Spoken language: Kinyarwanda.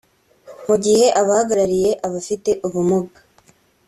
mu gihe abahagarariye abafite ubumuga